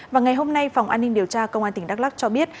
và ngày hôm nay phòng an ninh điều tra công an tp đắc lắc cho biết